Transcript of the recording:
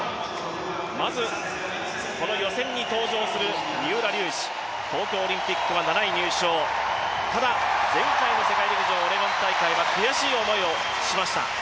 まずこの予選に登場する三浦龍司、東京オリンピックは７位入賞、ただ前回の世界陸上オレゴン大会は悔しい思いをしました。